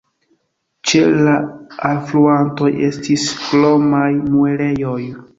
Ĉe la alfluantoj estis kromaj muelejoj.